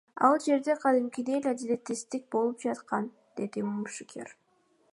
Ал жерде кадимкидей эле адилетсиздик болуп жаткан, — деди мушкер.